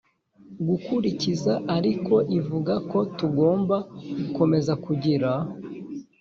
Gukurikiza ariko ivuga ko tugomba gukomeza kugira